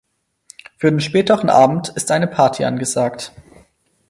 Für den späteren Abend ist eine Party angesagt.